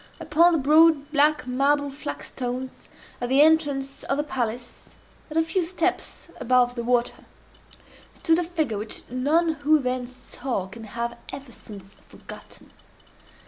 Upon the broad black marble flagstones at the entrance of the palace, and a few steps above the water, stood a figure which none who then saw can have ever since forgotten.